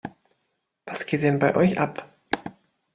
Was geht denn bei euch ab?